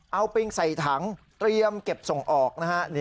เอาปิงใส่ถังเตรียมเก็บส่งออกนะฮะ